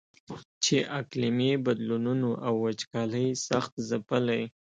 چې اقلیمي بدلونونو او وچکالۍ سخت ځپلی.